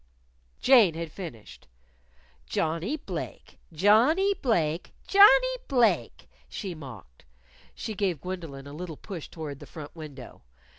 Jane had finished. "Johnnie Blake! Johnnie Blake! Johnnie Blake!" she mocked. She gave Gwendolyn a little push toward the front window.